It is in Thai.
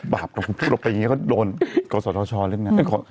บาปก็พูดลงไปอย่างนี้ก็โดนเกาะสวทชเรียกนั้น